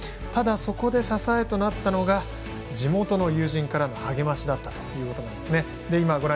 ただ、そこで支えとなったのが地元の友人からの励ましだったということなんです。